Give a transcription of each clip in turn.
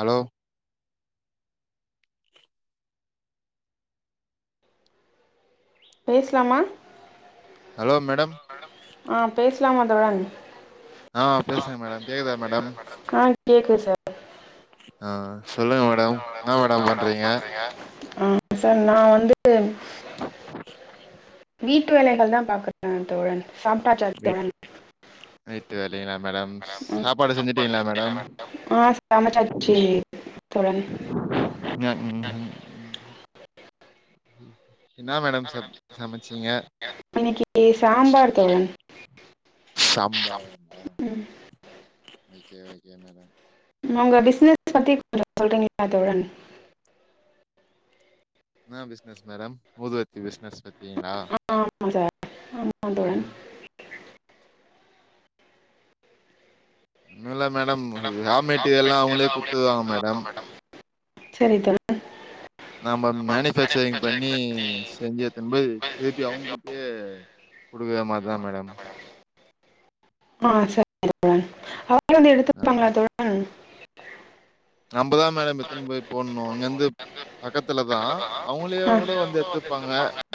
Allow பேஸ்லாமா hello madam ஆஹ் பேஸ்லாமா தோழன் ஆஹ் பேசுங்க மேடம் கேக்குதா மேடம் கேக்குது சார் ஆஹ் சொல்லுங்க மேடம் என்ன மேடம் பண்றீங்க ஆஹ் சார் நா வந்து ஹ்ம் வீட்டு வேலைகள்தா பாக்கறேன் தோழன் சாப்டாச்சா தோழன் நைட்டு வேல லைங்களா மேடம் ம். சாப்பாடு செஞ்சுட்டீங்ளா மேடம் ஆ சமைச்சாச்சு தோழன் உம் இன்னிக்கு சாம்பார் தோழன் சாம்பாரா மேடம் ம். ஓகே ஓகே மேடம் உங்க பிஷ்னஸ் பத்தி கொஞ்சம் சொல்றிங்ளா தோழன் என்னா பிஷ்னஸ் மேடம் ஊதுவத்தி பிஷ்னஸு அப்டிங்ளா ஆ, ஆமா சார் ஆமா தோழன் உம் ஒன்னுல்ல மேடம் ரா காம்பெனி மெட்டீரியல்லாம் அவுங்ளே எல்லாம் அவங்களே குத்துறுவாங்க மேடம் பார்க்கணும் சரி தோழன் நாம நம்ம மேனுபேக்ச்சரிங் பண்ணி மேனுஃபேக்சரிங் செஞ்சு எத்துன்போய் திருப்பி அவுங்களுக்கே குடுக்குற மாரிதான் மேடம் ஹ்ம் ஆஹ் சரிங்க தோழன் முன்னாடியே வந்து ஆ எடுத்துப்பாங்களா தோழன் நோ இங்கந்து பக்கத்துலதா அவுங்ளேயே ஆ கூட வந்து எத்துப்பாங்க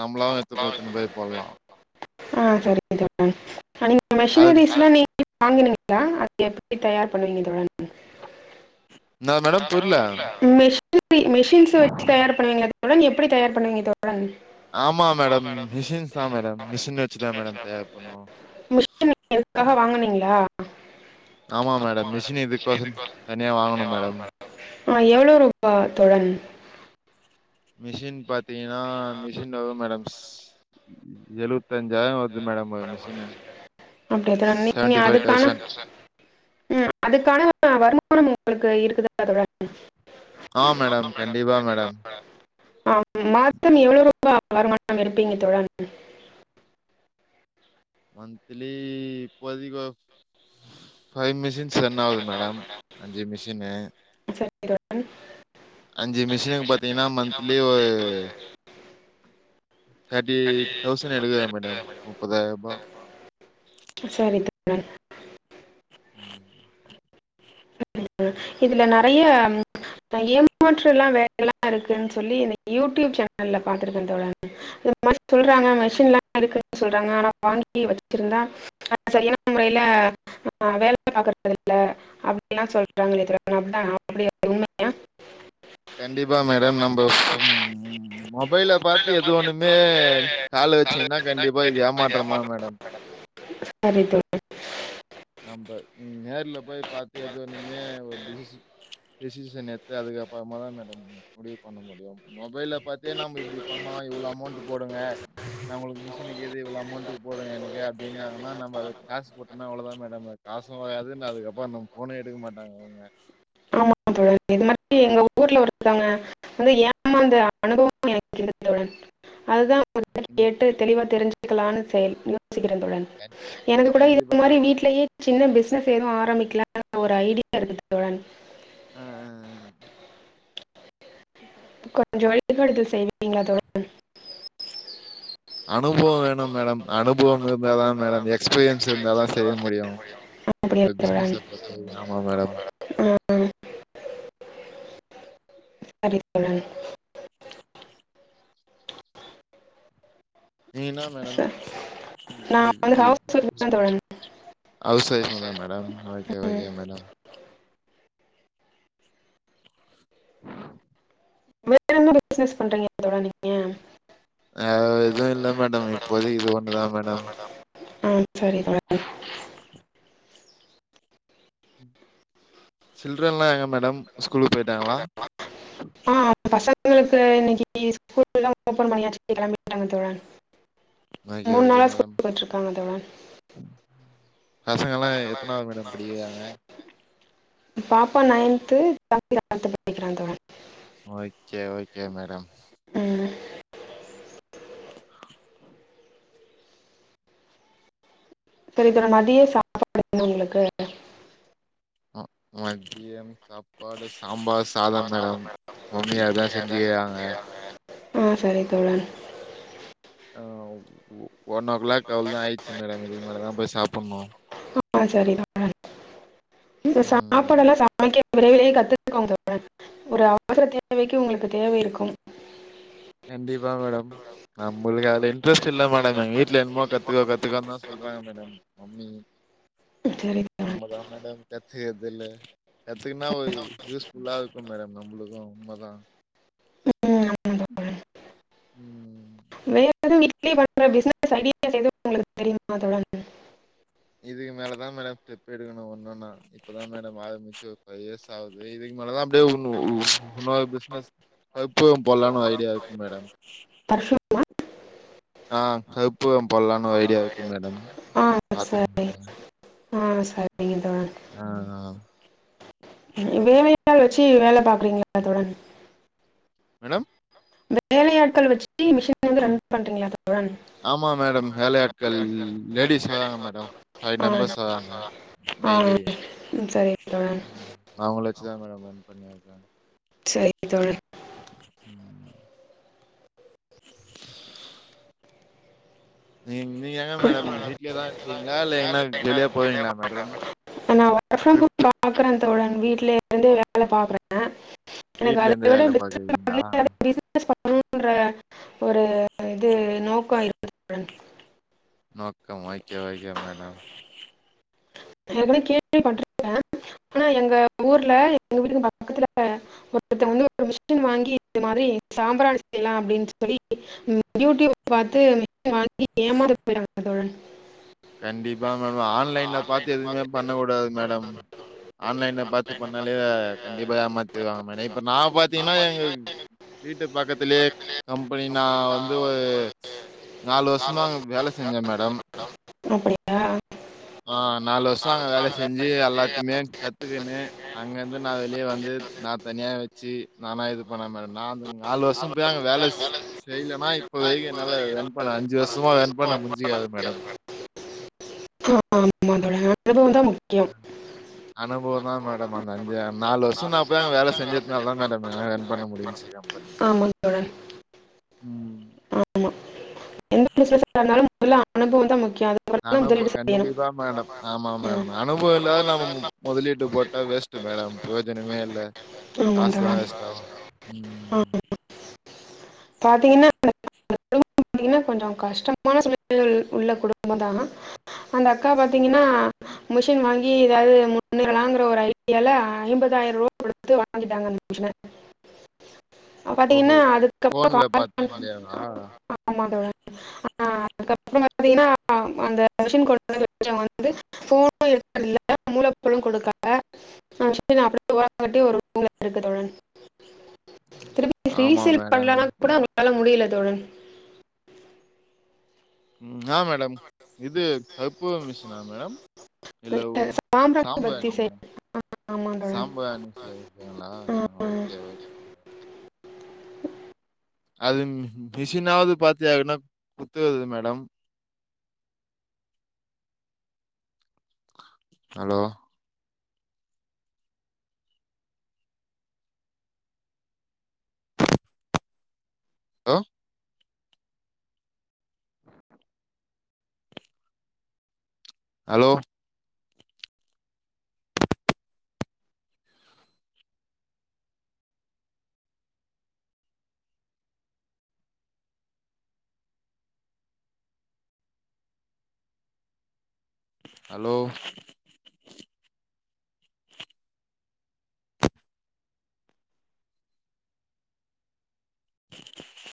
நம்மளாவு திரும்ப எத்துனு போய் பண்லாம் ஆஹ் சரிங்க தோழன் அ நீங்க அது மிஷினரிஸ்லாம் நீங் க வாங்குனீங்லா அத எப்டி தயார் பண்ணுவிங்க தோழன் என்னா மேடம் புரில மிஷ் மிஷின்ஸ் வச்சு தயார் பண்ணுவிங்ளா தோழன் எப் எப்டி தயார் பண்ணுவீங்க தோழன் ஆமா மேடம் மிஷின்ஸ்தா மேடம் மிஷின் வச்சுதா மேடம் தயார் பண்ணுவோ மிஷின் வக்க எவ்ளோ ஆகும் வாங்கனீங்ளா ஆமா மேடம் மிஷின் இதுக்கோசம் தனியா வாங்கணோ மேடம் ஆ எவ்ளோ ரூபா தோழன் மிஷின் பாத் பாத்தீங்கன்னா மிஷின் வரோ மேடம்ஸ் எழுப் பதஞ்சாயரம் வருது மேடம் மிஷீனு அப்படியா தோழன் நீங்கள் செவன்ட்டிஃபைவ் அதுக்கான தௌசன் ம் அதுக்கான [unintelligible] உங்களுக்கு இருக்குதா [unintelligible] ஆமா மேடம் கண்டிப்பா மேடம் [unintelligible] மொத்தம் எவ்ளோ ரூபா வருமானம் எடுப்பீங்க தோழன் மன்த்லி இப்போதைக்கு ஒ ஃபைவ் மிஷின்ஸ் ரன் ஆகுது மேடம் அஞ்சு மிஷினு சரிங்க தோழன் அஞ்சு மிஷினுக்கு பாத்தீங்கன்னா மந்த்திலி ஒரு தேர்ட்டி தௌசண்ட் எடுக்கலாம் மேடம் முப்பதாயிரம் ரூபா ம் ஆ ஆ அ இதுல நறைய ஏமாற்றுலா வேல எல்லாம் இருக்குன்னு சொல்லி இன்னிக்கு யூடியூப் சேனல்ல பாத்துருக்கேன் தோழா [unintelligible] சொல்றாங்க மஷின் எல்லாம் இருக்குன்னு சொல்றாங்க ஆனா வாங்கி வச்சிருந்தா அத சரியான முறையில ஆஹ் வேல பாக்கறது இல்ல அப் [unintelligible] எல்லாம் சொல்றாங்களே தோழர் அப்படி எல்லாம் உண்மையா கண்டிப்பா மேடம் நம்ம கண்டிப்பா. மொபைல பாத்து எது ஒண்ணுமே நம்மளுமே கால வச்சீங்கன்னா கண்டிப்பா இது ஏமாற்றம் தான் மேடம் சரி தோழர் [unintelligible] டிசிஷன் எத்து அதுக்கப்புறமா தான் மேடம் முடிவு பண்ண முடியும் மொபைல்ல பாத்தே நம்ம இப்படி பண்ணோ இவ்ளோ அமௌன்ட் போடுங்க நான் உங்களுக்கு மிஷின் இருக்குதே இவ்வளவு அமௌன்ட் போடுங்க எனக்கு அப்டினாங்கனா நம்ம காசு போட்டா அவ்ளோ தான் மேடம் நம்ம காசம் வராது அதுக்கப்புறம் நம்ம ஃபோனே எடுக்க மாட்டாங்க அவுங்க ஆமா தோழர் இது மாதிரி எங்க ஊர்ல ஒருத்தங்க வந்து ஏமாந்த அனுபவம் எனக்கு இருக்கு தோழர் அதுதான் [unintelligible] கேட்டு தெளிவா தெரிஞ்சு [unintelligible] ளான செயல் யோசிக்கிறேன் தோழன் எனக்கு கூட கண்டிப்பா இதே மாதிரி வீட்லயே சின்ன பிசினஸ் எதுவும் ஆரம்பிக்கலானு ஒரு ஐடியா இருக்கு தோழன் ஆஹ் ஹ் ஹ் கொஞ்சம் [unintelligible] செய்வீங்களா தோழன் அனுபவம் வேணும் மேடம் அனுபவம் இருந்தாதான் மேடம் எக்ஸ்பீரியன்ஸ் இருந்தாதான் செய்ய முடியும் அப்படியா இந்த பிஸினஸை பொறுத்து ஆமாம் மேடம் ம் சரி தோழன் நீங்க என்ன மேடம் ச- நான் வந்து ஹவுஸ் ஒய்ஃப் தான் தோழன் [unintelligible] ஓகே ம். ஓகே மேடம் வேற என்ன பிசினஸ் பண்றீங்க தோழன் ஆஹ எதுவு இல்ல மேடம் இப்போதைக்கி இது ஒண்ணுதா மேடம் ஆஹ் சரி தோழர் சில்டரன்ல்லா எங்க மேடம் ஸ்கூலுக்கு போயிட்டாங்களா ஆஹ் பசங் இவுங்ளுக்கு இன்னிக்கு ஸ்கூல்லாம் ஓபன் பண்ணியாச்சு கெளம்பிட்டாங்க தோழர் ஓகே மூணு ஓகே நாளா மேடம் ஸ்கூலுக்கு போயிட்டுருக்காங்க தோழா பசங்கல்லாம் எத்தனாவது மேடம் இருக்காங்க பாப்பா நைன்து தம்பி லெவந்து படிக்கிறா தோழர் ஓகே ஓகே மேடம் ம் சரி இப்ப நா மதிய சாப்பாடு [inaudible] உங்ளுக்கு ம் மதியம் சாப்பாடு சாம்பார் சாதம் மேடம் மாமியார் தான் செஞ்சிருக்காங்க. ஆ சரி தோழர் ஆ ஒ ஒன் ஓ க்ளாக் அவ்ளோ தா ஆயிட்ச்சு மேடம் இதுக்கு மேல தா போய் சாப்புட்ணும் [inaudible] இல்ல ம் சாப்பாடல்ல சமைக்க விரைவிலே கத்துக்கோங்க தோழர் ஒரு அவசர தேவைக்கு உங்களுக்கு தேவை இருக்கும் கண்டிப்பா மேடம் நம்முளுக்கு அதுல இன்ட்ரெஸ்ட் இல்ல மேடம் எங்க வீட்ல என்மோ கத்துக்கோ கத்துக்கோனு தா சொல்றாங்க மேடம் மம்மி சரி தோழன் நம்மதா மேடம் கத்துகர்தில்ல கத்துக்குனா ஒரு யூஸ் நல்லா இருக்கும் மேடம் நம்ளுக்கு உண்ம தா ம் ஆமாம் உம் வேற எதுவ வீட்லயே பண்ற பிசினஸ் ஐடியா எதுவு உங்களுக்கு தெரியுமா தோழர் இதுக்கு மேலதா மேடம் ஸ்டெப் எடுக்கணு ஒன்னொன்னா இப்பதா மேடம் ஆரம்பிச்சு ஒரு ஃபைவ் இயர்ஸ் ஆவுது இதுக்கு மேலதா அப்டே உ உன்னோரு பிசினஸ் [unintelligible] போடலானு ஒரு ஐடியா இருக்கு மேடம் [inaudible] ஆஹ் கற்பூர போட்லானு ஒரு ஐடியா இருக்கு மேடம் ஆ சரி பாத்துட்ருக்க ஆ ச ஆஹ் ஆஹ் வேலையாள் வச்சு வேல பாக்குறீங்களா தோழர் மேடம் வேலையாட்கள் வச்சு மிஷின் வந்து ரன் பண்றீங்களா தோழன் ஆமா மேடம் வேலையாட்கள் லேடீஸ் வராங்க மேடம் ஃபை ஆ மெம்பர்ஸ் வராங்க ஆ டெய்லி ம், சரி தோழன் அவுங்கள வச் சு தா மேடம் ரன் பண்ணிட்ருக்கே சரிங்க தோழர் நீங் நீங்க எங்க மேடம் வீடலேதா இருக்கிங் ங்களா இல்ல இனிமேல் வெளிய போவீங்களா மேடம் நா ஒர்க் ஃப்ரம் ஹோம் ட்ரிப்பு பாக்குறே தோழன் வீட்ல இருந்தே வேல பாக்குறே ஆ எனக்கு வீட்ல அத இருந்து விட வேல பெஸ்ட் பிளான் பாக்குறீங்களா வந்து எதாது பிசினஸ் பண்ணும் மூன்ற ஒரு இது நோக்கம் இருப்பதுடன் நோக்கம் ஓகே ஓகே மேடம் ஏற்கனவே கேள்வி பட்டுருக்கே ஆனா எங்க ஊர்ல எங்க வீட்டுக்கு பக்கத்துல ஒருத்தங்க வந்து ஒரு மிஷின் வாங்கி இந்த மாதிரி சாம்பிராணி செய்யலாம் அப்படின்னு சொல்லி யூடியூப் பாத்து வாங்கி ஏமாந்து போயிருக்காங்க தோழன் கண்டிப்பா என்ன பண்வ ஆன் ஆன்லைன்ல பாத்து எதுவுமே பண்ணக்கூடாது மேடம் ஆன்லைன்ல பாத்து பண்ணாலே கண்டிப்பா ஏமாத்திருவாங்க மேடம் இப்ப நா பாத்தீங்கன்னா எங்க வீட்டு பக்கத்திலயே கம்பெனி நா வந்து ஒரு நாலு வருஷமா அங்க வேல செஞ்சே மேடம் ஆ ஆ நாலு வருஷோ அங்க வேல செஞ்சி செஞ்சு அதை அல்லாத்தையுமே கத்துகுனு கத்துக்கின்னு அங்கருந்து நா அங்கே வெளியே வந்து நா வந்திருக்கான் தனியா வச்சி நானா இது பண்ணே மேடம் நாந் நாலு வருஷோ போய் அங்க வருஷம் வேல தான் ஸ் வேலை செய்லேனா இப் செய்யணும்னா இப்போதைக்கு இப்போ என்னால வரைக்கும் ரன் நல்ல பண்ண அன் ஜோஸ் சுத்தமா அஞ்சு ரன் வருஷமா பண்ண முஞ்சிக்காது மேடம் ஆ ஆமாங்க தோழர் அனுபவந்தா முக் அ அனுபவ ஆமா மேடம் அந்த அஞ்ச நாலு வருஷ நா போய் அங்க வேலை செஞ்சதுனால தா மேடம் என்னால ரன் பண்ண முடின்ச்சி கம்பெனி ஆமா ம் ஆமா எந்த பிசினஸ்ஸா இருந்தாலு முதல்ல அனுபவந்தா மு அனுப கண்டிப்பா மேடம் ஆமா ம். மேம் அனுபவ இல்லாத நம்மமு முதலீட்டு போட்டா வேஸ்ட்டு மேடம் புரோயஜனமே இல்ல ஆமாண்டா காசுதா வேஸ்ட் ஆகு ம் பாத்தீங்கன்னா அந்தக்கா குடும்பம் பாத்தீங்கன்னா கொஞ்சோ கஷ்டமான சூழ்நிலையில் உள்ள குடும்பந்தா அந்த அக்கா பாத்தீங்கன்னா மிஷின் வாங்கி ஏதாவது முன்னேறலாங்குற ஒரு ஐடியால ஐம்பதாயிரூவா குடுத்து வாங்கிட்டாங்க அந்த மிஷின வு ஓஹோ பாத்தீங்கனா அது போன்ல பாத்த கடையே வா ஆ அதுக்கப்ற பாத்தீங்னா அந்த மிஷின் கொண்டு வந்து வச்சவங்க வந்து ஃபோனு எடுக்கல மூல போலு குடுக்கல ஃபங்ஷசன் அப்டி ஒரம்கட்டி ஒரு ரூம்ல கடக்கு தோழன் திருப்பி ரீ ஆமா செல் மேடம் பண்ணலனா கூட அவுங்களால முடியில தோழன் ஆ மேடம் இது அறுப்பு மிஷினா மேடம் இல்ல சாம்பிராணி சாம்பு பத்தி செய்யணும் ஆனியனு ஆமா தோழன் சாம்பார் நென்ச்சி ஆ, [unintelligible] ஆ. ஓகே ஓக் அது மிஷினாவது பாத்தியாதுனா குத்துவது madam hello hello hello hello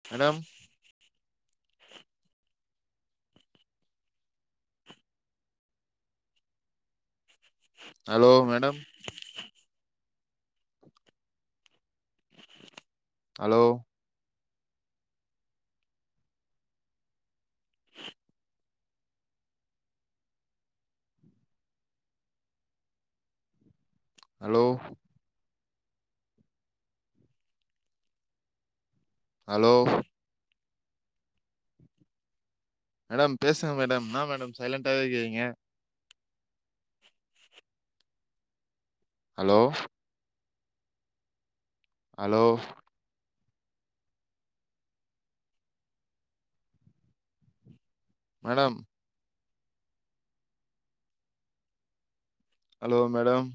madam hello madam hello hello hello madam பேசுங்க மேடம் என்னா மேடம் சைலன்டாவே இருக்கீங்க hello hello madam hello madam